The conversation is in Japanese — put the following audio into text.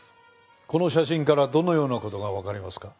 この写真からどのような事がわかりますか？